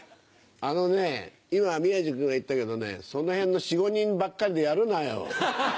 あのね今宮治君が言ったけどねその辺の４５人ばっかりでやるなよ。